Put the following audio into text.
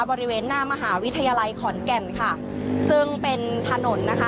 บริเวณหน้ามหาวิทยาลัยขอนแก่นค่ะซึ่งเป็นถนนนะคะ